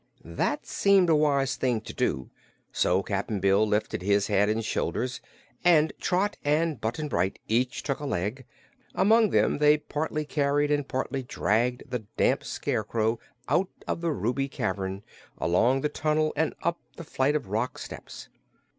That seemed a wise thing to do, so Cap'n Bill lifted his head and shoulders, and Trot and Button Bright each took a leg; among them they partly carried and partly dragged the damp Scarecrow out of the Ruby Cavern, along the tunnel, and up the flight of rock steps.